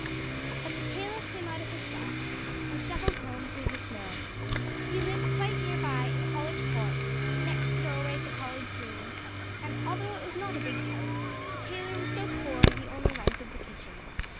But the tailor came out of his shop, and shuffled home through the snow. He lived quite near by in College Court, next the doorway to College Green; and although it was not a big house, the tailor was so poor he only rented the kitchen.